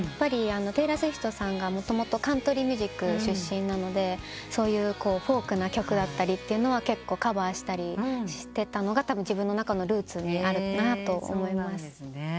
テイラー・スウィフトさんがもともとカントリーミュージック出身なのでそういうフォークな曲だったり結構カバーしたりしてたのがたぶん自分の中のルーツにあるなと思います。